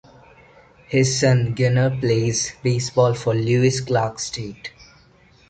His son, Gunnar, plays baseball for Lewis-Clark State.